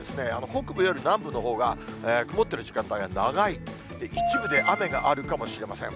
北部より南部のほうが曇っている時間帯が長い、一部で雨があるかもしれません。